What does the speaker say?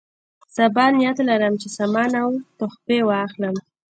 صبا نیت لرم چې سامان او تحفې واخلم.